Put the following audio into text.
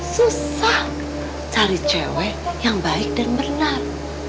susah cari cewek yang baik dan benar